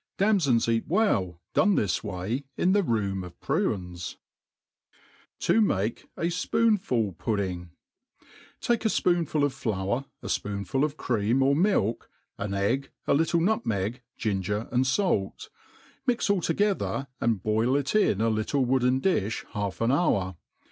Dftmfoitli esit well doae ibis way iw the fpom of pruttesv To make a Sp§tfnfid''Puddini» 'f Al^E a fpoonful of flour, a fpoonful of cream or milk, atf egg, a little nutmeg^, ginger, »id fait;* mix all together, anii^ l^il it in a littte wooden dilh half an hour.